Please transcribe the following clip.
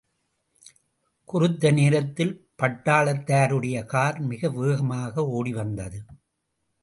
குறித்த நேரத்தில் பட்டாளத்தாருடைய கார் மிக வேகமாக ஓடிவந்தது.